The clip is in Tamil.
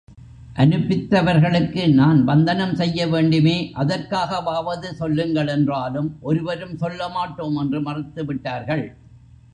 அனுப்பித்தவர்களுக்கு நான் வந்தனம் செய்ய வேண்டுமே அதற்காவது சொல்லுங்கள் என்றாலும், ஒருவரும் சொல்ல மாட்டோம் என்று மறுத்துவிட்டார்கள்.